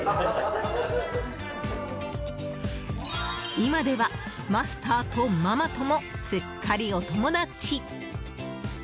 今ではマスターとママともすっかりお友達。